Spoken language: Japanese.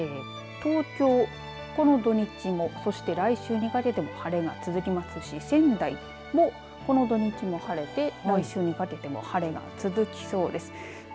東京、この土日もそして来週にかけても晴れが続きますし仙台もこの土日も晴れて来週にかけても晴れが続きそうです。